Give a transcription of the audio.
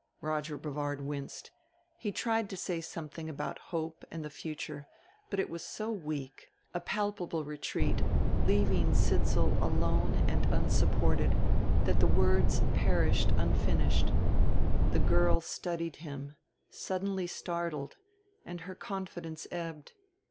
Roger Brevard winced. He tried to say something about hope and the future, but it was so weak, a palpable retreat, leaving Sidsall alone and unsupported, that the words perished unfinished. The girl studied him, suddenly startled, and her confidence ebbed.